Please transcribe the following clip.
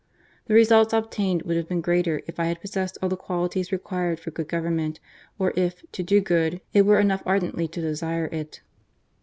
The resnlts ob tained would have been greater if I had possessed all the qualities required for good government, or if, to do good, it were enough ardently to desire it.